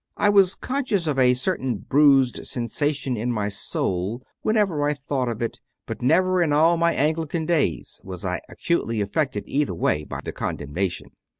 I was con scious of a certain bruised sensation in my soul whenever I thought of it, but never in all my Anglican days was I acutely affected either way by the condemnation.